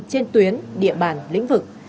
trên tuyến địa bàn lĩnh vực